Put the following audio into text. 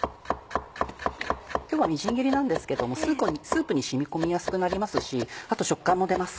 今日はみじん切りなんですけどもスープに染み込みやすくなりますしあと食感も出ます。